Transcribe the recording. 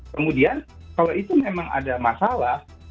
kemudian kalau itu memang ada masalah